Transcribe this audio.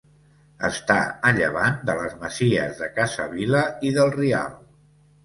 Està a llevant de les masies de Casa Vila i del Rial.